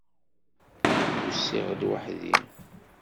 Usiɣ-d weḥd-i.